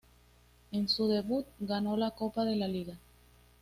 En su debut ganó la Copa de la Liga.